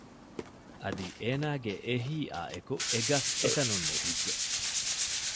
އަދި އޭނާގެ އެހީއާއެކު އެގަސް އެތަނުން ނެގިއްޖެ